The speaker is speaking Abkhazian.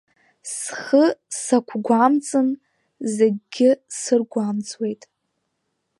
Схы сақәгәамҵын, зегьгьы сыргәамҵуеит…